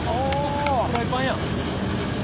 フライパンや。